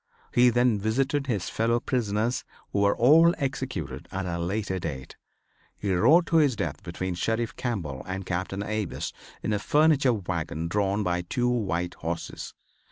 He then visited his fellow prisoners who were all executed at a later date. He rode to his death between Sheriff Campbell and Captain Avis in a furniture wagon drawn by two white horses.